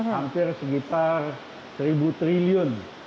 hampir sekitar seribu triliun